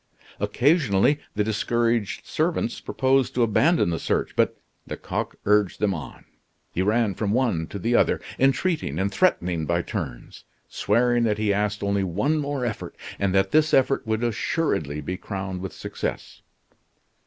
Occasionally the discouraged servants proposed to abandon the search; but Lecoq urged them on. He ran from one to the other, entreating and threatening by turns, swearing that he asked only one more effort, and that this effort would assuredly be crowned with success.